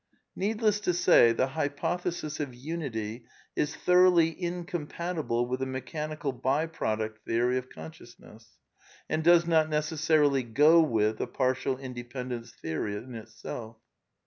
Needless to say, the hypothesis of unity is thoroughly in compatible with the mechanical by product theory of con sciousness, and does not necessarily ^^ go with " the partial independence theory in itself.